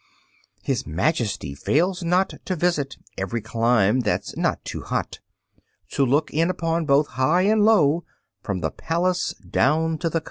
His Majesty fails not to visit Every clime that's not too hot, To look in upon both high and low, From the palace down to the cot.